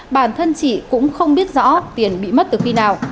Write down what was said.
bản thân chị cũng không biết rõ tiền bị mất từ khi nào